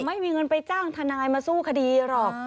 ไม่มีเงินไปจ้างทนายมาสู้คดีหรอก